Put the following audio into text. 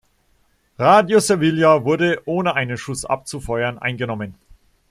Radio Sevilla wurde, ohne einen Schuss abzufeuern, eingenommen.